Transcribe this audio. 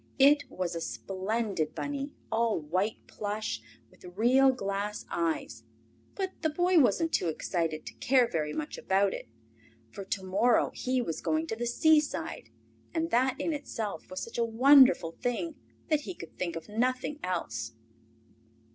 It was a splendid bunny, all white plush with real glass eyes, but the Boy was too excited to care very much about it. For to morrow he was going to the seaside, and that in itself was such a wonderful thing that he could think of nothing else.